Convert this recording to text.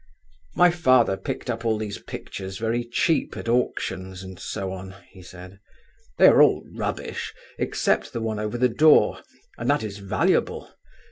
"My father picked up all these pictures very cheap at auctions, and so on," he said; "they are all rubbish, except the one over the door, and that is valuable.